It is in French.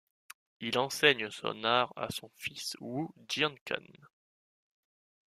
Il enseigne son art à son fils Wu Jianquan.